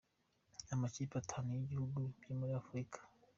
Amakipe atanu y’ibihugu byo muri Afurika:.